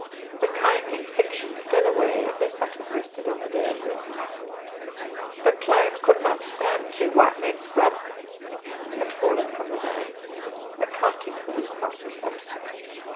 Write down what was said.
The kindly fiction fell away as they sat and rested on the day of rest. "The claim could not stand two white men's grub" had fallen from the man, accounting for his partner's absence.